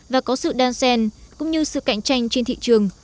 và có sự đan sen cũng như sự cạnh tranh trên thị trường